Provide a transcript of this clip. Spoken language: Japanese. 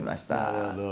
なるほど。